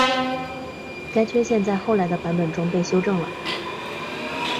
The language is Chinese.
该缺陷在后来的版本中被修正了。